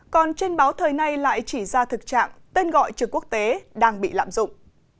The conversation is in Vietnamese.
còn trên báo thời nay lại chỉ ra thực trạng tên gọi trường quốc tế đang bị lạm dụng